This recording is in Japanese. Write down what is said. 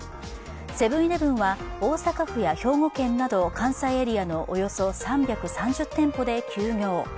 セブン−イレブンは大阪府や兵庫県など関西エリアのおよそ３３０店舗で休業。